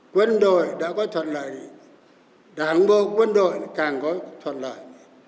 quân đội đã có thuận lợi đảng bộ quân đội càng có thuận lợi